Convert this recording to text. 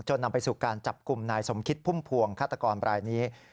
นำไปสู่การจับกลุ่มนายสมคิดพุ่มพวงฆาตกรบรายนี้